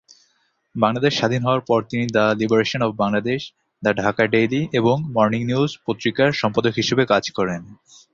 বাংলাদেশ স্বাধীন হওয়ার পর তিনি "the liberation of Bangladesh", "the Dhaka daily" এবং "মর্নিং নিউজ" পত্রিকার সম্পাদক হিসেবে কাজ করেন।